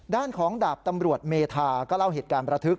ด้านของดาบตำรวจเมธาก็เล่าเหตุการณ์ประทึก